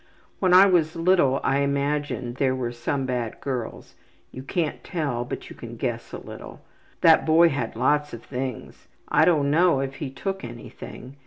When I was little I imagined there were some bad girls. You can't tell, but you can guess a little. That boy had lots of things. I don't know if he took anything.